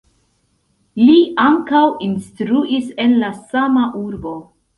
Li ankaŭ instruis en la sama urbo.